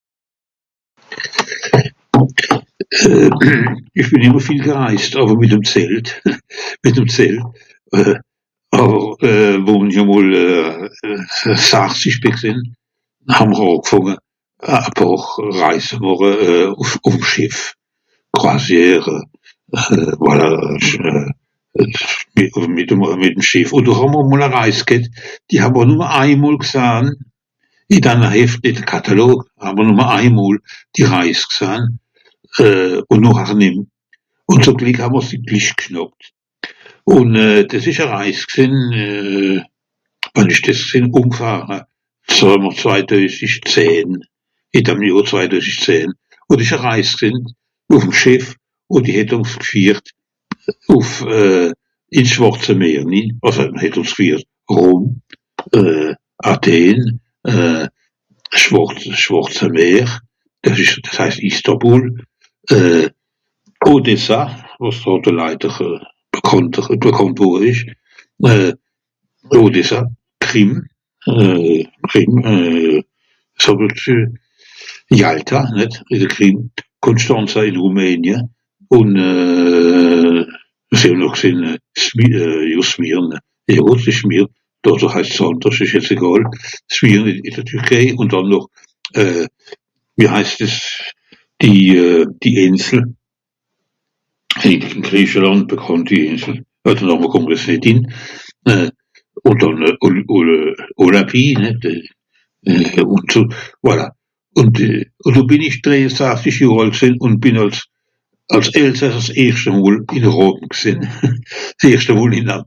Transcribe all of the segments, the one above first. Ìch bìn ìmmer viel gereist, àwer mìt'm Zelt, mìt'm Zelt. Àwer, wenn i e mol sachzisch bì gsìnn, hà'mr àngfànge, a pààr Reis màche ùff... ùff'm Schìff, Coisière voilà... mìt'm...mìt'm Schìff. Ùn do hàà'mr mol e Reis ghet, die ha'mr nùmme ein mol gsahn, ì danne Heft... ì de Catalogue ha'mr nur ein mol die Reis gsahn ùn nochhar nìmm. Ùn zem Glìck hàà'mr sie glich gschnàppt. Ùn dìs ìsch e Reis gsìnn wann ìsch dìs gsìnn, ùngfahr? Soewe mr zweidoeisischzehn, (...) zweidoeisischzehn. Ùn ìsch e Reis gsìnn, ùff'm Schìff, ùn die het ùns gfihrt ùff ìn's schwàrze Meer nin, enfin het ùns gfihrt..., Rom, Atheen, schwàr... schàrze Meer, dìs ìsch... dìs heist Istambul, Odessa, wàs hàlt leider bekànter... bekànt wùrre ìsch, Odessa, Krim, Krim Zoboersche, Yalta... nìt ? ì de Krim, konschtrensa ìn Rumänie ùn wo sìì mr gsìnn, Smyrne jo Smyrne (...) dàto heist's àndersch, ìsch jetz egàl, Smyrne ìn de Türkèi, ùn dànn noch wie heist dìs ? die die Ìnsel. Die ìn Griechelànd e bekànnti Ìnsel. De Nàme kùmmt mr jetz nìt in. Ùn dànn ol...ol.. ol... Olympie nìt ? [unintelligible] Voilà. Ùn d... ùn do bìn ich drèiesachzisch gsìnn ùn bìn àls, àls elsasser s'erschte mol ìn Rom gsìnn, s'erschte mol ìn Atheen ùn dànn wie gsajt dìs schwàrze Meer wo mr so ànne kùmmt. Nàtirlisch kàà'mr ìmmer noch ànne àwer (...) Kopf ùn Hàls riskìere. Ùffs Lawe setze àwer wàs mr sallamols àm schwàrze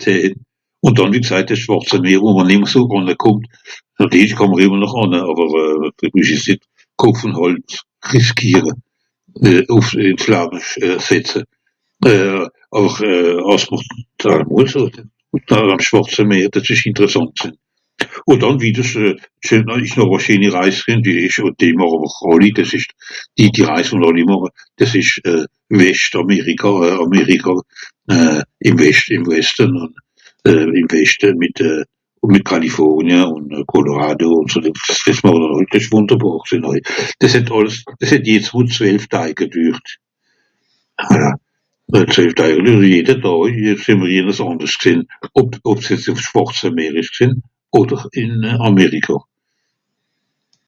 Meer dìs ìsch ìnterresànt gsìnn. Ùn dànn wittersch scheen àui ìsch noch e scheeni Reis gsìnn wie ìch..., die màche àwer àlli, dìs ìsch die Reis wo-n-àlli màche dìs ìsch Wescht Àmerikà hein Àmerikà ìm Weschte... ìm Westen, ìm Weschte mìt mìt California ùn Colorado ùn so Dìngs [unintelligible] dìs ìsch wùnderbàr gsìnn, Dìs het àlles... dìs het jetz mol zwelf Daj gedürt. Voilà. Zwelf Daj jede Dàà sìì'mr (...) àndersch gsìnn. Ob... ob 's schwàrze Meer ìsch gsìnn odder ìn Àmerikà.